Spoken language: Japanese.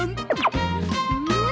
うん！